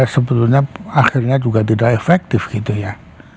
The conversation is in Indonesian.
sebetulnya akhirnya juga tidak efektif gitu ya